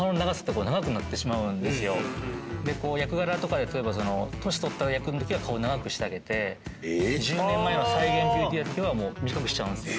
役柄とかで例えば年取った役のときは顔長くしてあげて１０年前の再現ＶＴＲのときは短くしちゃうんすよ。